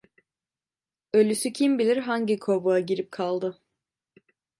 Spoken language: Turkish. Ölüsü kim bilir hangi kovuğa girip kaldı?